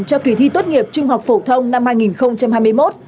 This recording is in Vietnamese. cho kỳ thi tốt nghiệp trung học phổ thông năm hai nghìn hai mươi một